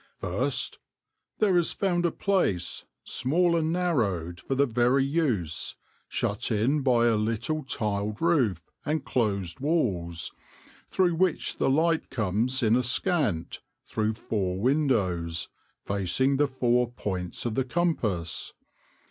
" First, there is found a place, small and narrowed for the very use, shut in by a leetle tiled roof and closed walles, through which the light comes in askant through four windowes, facing the four pointes of the compass.